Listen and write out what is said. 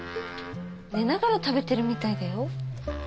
寝ながら食べてるみたいだよ。